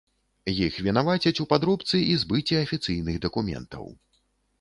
Іх вінавацяць у падробцы і збыце афіцыйных дакументаў.